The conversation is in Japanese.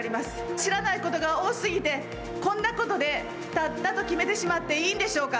知らないことが多すぎて、こんなことでぱっぱと決めてしまっていいんでしょうか。